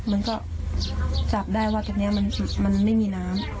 มันก็จับได้ว่าตรงนี้มันไม่มีน้ำ